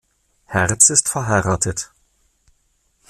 Herz ist verheiratet.